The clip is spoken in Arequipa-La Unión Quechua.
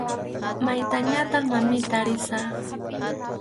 Maytañataq, mamita, risaq.